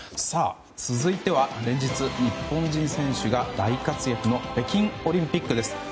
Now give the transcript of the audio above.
さあ、続いては連日日本人選手が大活躍の北京オリンピックです。